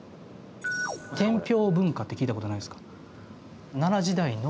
「天平文化」って聞いたことないですか？